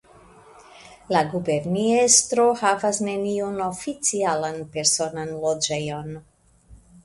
La guberniestro havas neniun oficialan personan loĝejon.